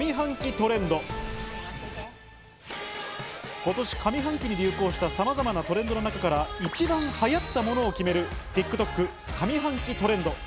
今年、上半期に流行した、さまざまなトレンドの中から一番流行ったものを決めるＴｉｋＴｏｋ上半期トレンド。